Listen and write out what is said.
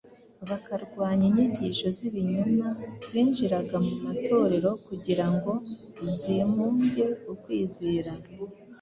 bakarwanya inyigisho z’ibinyoma zinjiraga mu matorero kugira ngo zimunge ukwizera.